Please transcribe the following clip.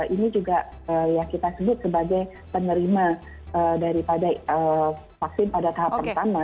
ini juga yang kita sebut sebagai penerima daripada vaksin pada tahap pertama